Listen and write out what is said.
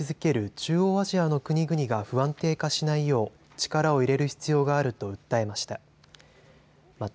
中央アジアの国々が不安定化しないよう力を入れる必要があると訴えました。